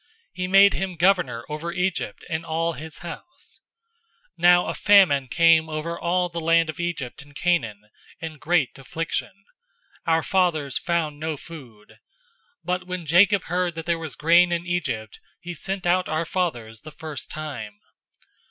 He made him governor over Egypt and all his house. 007:011 Now a famine came over all the land of Egypt and Canaan, and great affliction. Our fathers found no food. 007:012 But when Jacob heard that there was grain in Egypt, he sent out our fathers the first time.